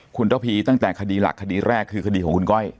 คุณระพีตั้งแต่คดีหลักคดีแรกคือคดีของคุณก้อย